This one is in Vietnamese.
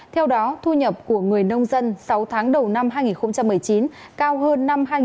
theo đó thu nhập của người nông dân sáu tháng đầu năm hai nghìn một mươi chín cao hơn năm hai trăm linh